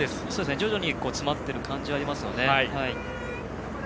徐々に詰まっている感じはありますよね。